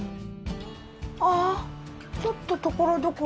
ああちょっとところどころ。